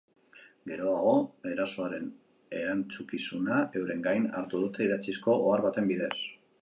Geroago, erasoaren erantzukizuna euren gain hartu dute idatzizko ohar baten bidez.